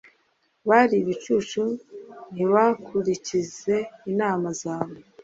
Bari ibicucu ntibakurikize inama zawe.